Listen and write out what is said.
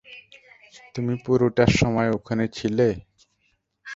তুমি পুরোটা সময় এখানে ছিলে?